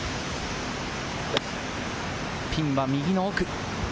ピンは右の奥。